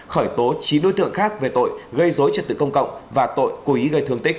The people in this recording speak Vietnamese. khởi tố chín đối tượng khác về tội gây dối trật tự công cộng và tội cố ý gây thương tích